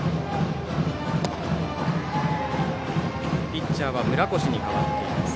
ピッチャーは村越に代わっています。